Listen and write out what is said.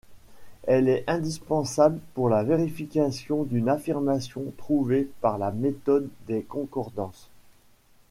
Elle est indispensable pour la vérification d'une affirmation trouvée par la méthode des concordances.